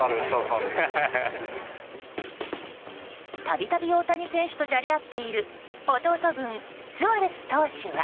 度々、大谷選手とじゃれ合っている弟分、スアレス投手は。